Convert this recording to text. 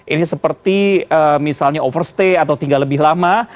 ini seperti misalnya overstay atau tinggal lebih lama